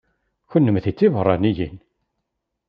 Kennemti d tibeṛṛaniyin?